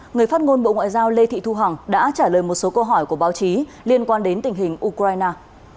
người phát ngôn bộ ngoại giao lê thị thu hằng đã trả lời một số câu hỏi của báo chí liên quan đến tình hình ukraine